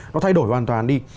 nó thay đổi hoàn toàn đi